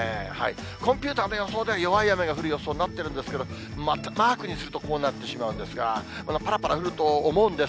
コンピューターの予想では弱い雨が降る予想になってるんですけど、マークにするとこうなってしまうんですが、ぱらぱら降ると思うんです。